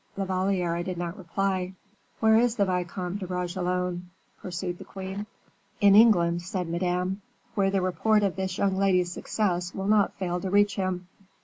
La Valliere did not reply. "Where is the Vicomte de Bragelonne?" pursued the queen. "In England," said Madame, "where the report of this young lady's success will not fail to reach him."